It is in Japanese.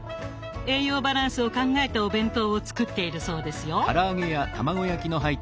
栄養バランスを考えたお弁当を作っているそうですよ。